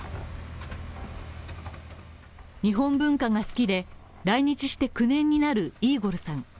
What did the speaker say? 日本文化が好きで来日して９年になるイーゴルさん。